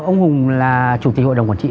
ông hùng là chủ tịch hội đồng quản trị